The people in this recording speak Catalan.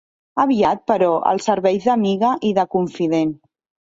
Aviat, però, els serveix d'amiga i de confident.